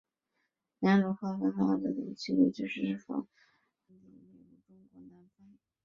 两种划分方法最大的区别就是是否将柴达木盆地列入中国南方。